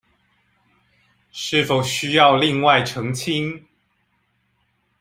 是否需要另外澄清